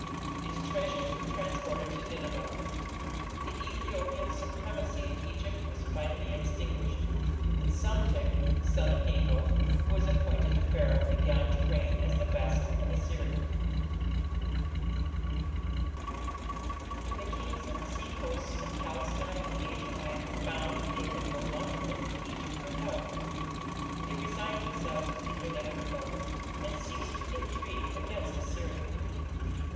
Its treasures were transported to Nineveh. The Ethiopian supremacy in Egypt was finally extinguished, and Psamtik, son of Necho, who was appointed the Pharaoh, began to reign as the vassal of Assyria. When the kings on the seacoasts of Palestine and Asia Minor found that they could no longer look to Egypt for help, they resigned themselves to the inevitable, and ceased to intrigue against Assyria.